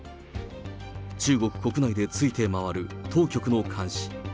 中国国内でついてまわる当局の監視。